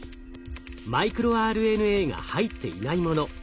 マイクロＲＮＡが入っていないもの。